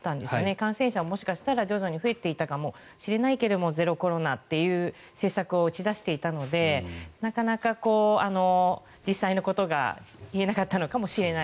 感染者はもしかしたら徐々に増えていたかもしれないけれどもゼロコロナという施策を打ち出していたのでなかなか実際のことが言えなかったのかもしれない。